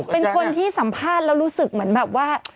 เป็นคนที่สัมภาษณ์แล้วรู้สึกเหมือนแบบว่า